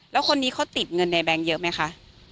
แล้วคนนี้เขาติดเงินในแบงค์เยอะไหมคะ